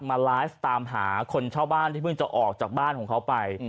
มาไลฟ์ตามหาคนเช่าบ้านที่เพิ่งจะออกจากบ้านของเขาไป